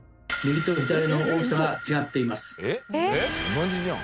同じじゃん。